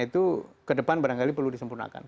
itu ke depan barangkali perlu disempurnakan